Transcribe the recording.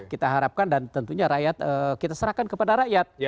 kita harapkan dan tentunya rakyat kita serahkan kepada rakyat